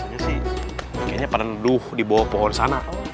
biasanya sih kayaknya pernah nuduh di bawah pohon sana